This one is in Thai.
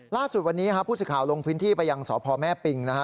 ล่าสุดวันนี้ครับผู้สื่อข่าวลงพื้นที่ไปยังสพแม่ปิงนะฮะ